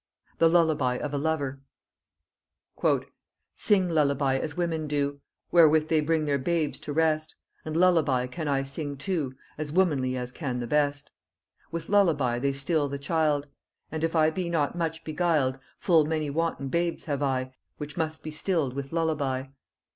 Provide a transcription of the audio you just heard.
THE LULLABY OF A LOVER. Sing lullaby as women do, Wherewith they bring their babes to rest, And lullaby can I sing too As womanly as can the best. With lullaby they still the child; And if I be not much beguil'd, Full many wanton babes have I, Which must be still'd with lullaby.